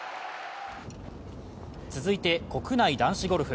続いて国内男子ゴルフ。